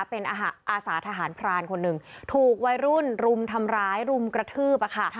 เป็นอาสาทหารพรานคนหนึ่งถูกวัยรุ่นรุมทำร้ายรุมกระทืบอะค่ะ